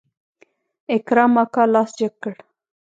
اکرم اکا لاس جګ کړ.